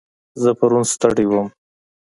زه پرون ستړی وم.